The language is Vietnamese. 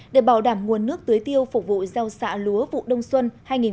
để bảo đảm nguồn nước tưới tiêu phục vụ giao xạ lúa vụ đông xuân hai nghìn hai mươi hai nghìn hai mươi một